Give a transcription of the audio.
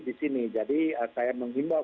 di sini jadi saya menghimbau